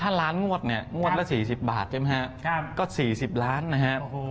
ถ้าล้านงวดเนี่ยงวดละ๔๐บาทใช่ไหมฮะก็๔๐ล้านนะฮะ